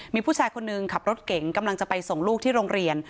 มีผู้ชายคนหนึ่งขับรถเก่งกำลังจะไปส่งลูกที่โรงเรียน